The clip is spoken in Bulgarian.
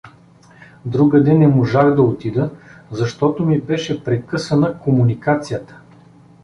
Другаде не можах да отида, защото ми беше прекъсана комуникацията.